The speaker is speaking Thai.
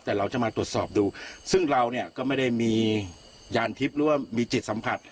แต่เราจะมาตรวจสอบดูซึ่งเราเนี่ยก็ไม่ได้มียานทิพย์หรือว่ามีจิตสัมผัส